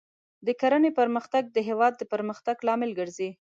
د کرنې پرمختګ د هېواد د پرمختګ لامل ګرځي.